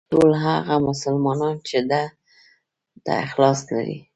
ټول هغه مسلمانان چې ده ته اخلاص لري.